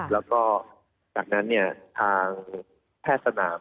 แล้วก็จากนั้นทางแพทย์สนาม